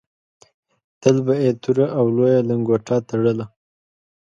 تل به یې توره او لویه لنګوټه تړله.